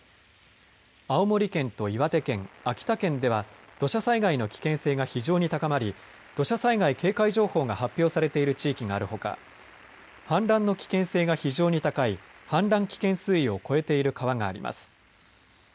青森県と岩手県、秋田県では土砂災害の危険性が非常に高まり土砂災害警戒情報が発表されている地域があるほか、氾濫の危険性が非常に高い氾濫危険水位を超えている川があります。